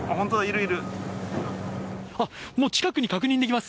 近くに確認できます。